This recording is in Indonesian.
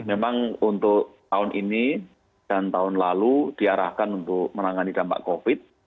memang untuk tahun ini dan tahun lalu diarahkan untuk menangani dampak covid